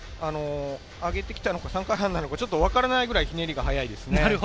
上げてきたのか、３回半なのか、わからないぐらいひねりが速いですね。